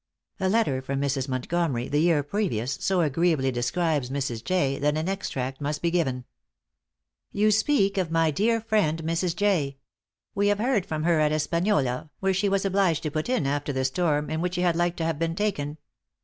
A letter from Mrs. Montgomery, the year previous, so agreeably describes Mrs. Jay, that an extract must be given: "You speak of my dear friend Mrs. Jay. We have heard from her at Hispaniola, where she was obliged to put in after the storm, in which she had like to have been taken.